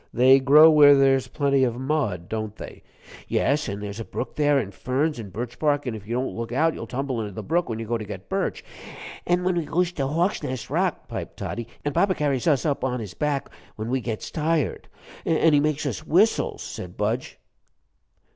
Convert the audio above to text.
They grow where there's plenty of mud, don't they?" "Yes, an' there's a brook there, an' ferns, an' birch bark, an' if you don't look out you'll tumble into the brook when you go to get birch." "An' we goes to Hawksnest Rock," piped Toddie, "an' papa carries us up on his back when we gets tired." "An' he makes us whistles," said Budge.